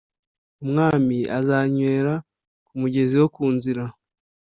Umwami azanywera ku mugezi wo mu nzira,